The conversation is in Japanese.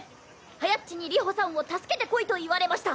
はやっちに流星さんを助けてこいと言われました！